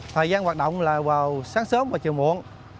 thời gian hoạt động là vào sáng sớm và chiều muộn